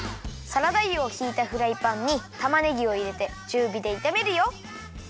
サラダ油をひいたフライパンにたまねぎをいれてちゅうびでいためるよ。